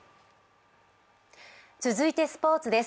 続いてスポーツです。